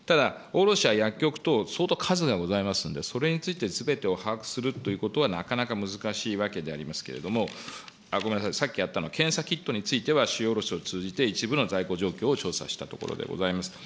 ただ卸しや薬局等、相当数がございますんで、それについてすべてを把握するということは、なかなか難しいわけでありますけれども、ごめんなさい、さっきあったのは検査キットについては、主要卸しを通じて一部の在庫状況を調査したところでございます。